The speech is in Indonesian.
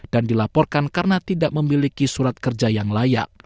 dan dilaporkan karena tidak memiliki surat kerja yang layak